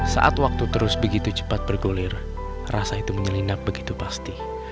saat waktu terus begitu cepat bergulir rasa itu menyelinap begitu pasti